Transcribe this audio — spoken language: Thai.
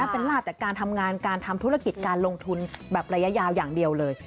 เป็นลาบจากการทำงานการทำธุรกิจการลงทุนแบบระยะยาวอย่างเดียวเลย